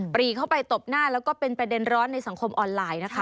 รีเข้าไปตบหน้าแล้วก็เป็นประเด็นร้อนในสังคมออนไลน์นะคะ